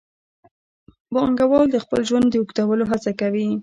پانګوال د خپل ژوند د اوږدولو هڅه کوي